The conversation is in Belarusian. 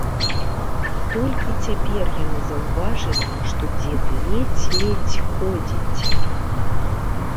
Толькі цяпер яны заўважылі, што дзед ледзь-ледзь ходзіць.